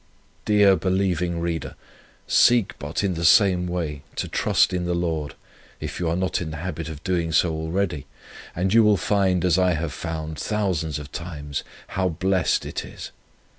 Dear believing reader, seek but in the same way to trust in the Lord, if you are not in the habit of doing so already, and you will find as I have found thousands of times, how blessed it is.